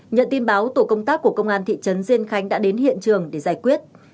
nhận tin báo tổ công tác của công an thị trấn diên khánh đã đến hiện trường để giải quyết